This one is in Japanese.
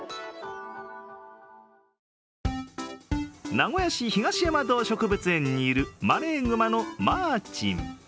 名古屋市東山動植物園にいるマレーグマのマーチン。